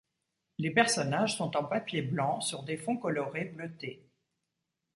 Les personnages sont en papier blanc sur des fonds colorés bleutés.